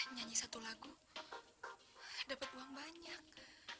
nyanyi satu lagu dapat uang banyak